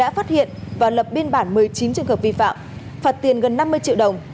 phạt tiền gần năm mươi triệu đồng